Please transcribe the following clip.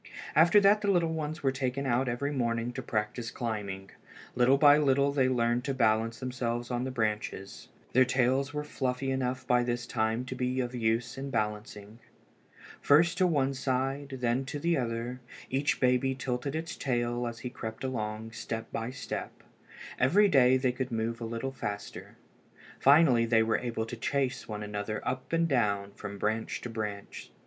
After that the little ones were taken out every morning to practise climbing. Little by little they learned to balance themselves on the branches. Their tails were fluffy enough by this time to be of use in balancing. First to one side, then to the other, each baby tilted his tail as he crept along, step by step. Every day they could move a little faster. Finally they were able to chase one another up and down, from branch to branch.